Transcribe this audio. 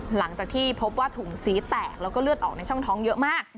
หลังจากที่พบว่าถุงสีแตกแล้วก็เลือดออกในช่องท้องเยอะมาก